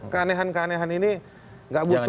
keanehan keanehan ini nggak butuh